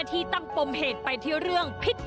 ๒นักที่๓นักแต่ก็ยิงผู้หญิงแล้วผู้หญิงก็อี๊บ